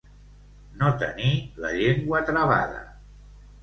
No tenir la llengua travada.